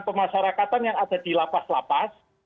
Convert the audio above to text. pemasarakatan yang ada di lapas lapas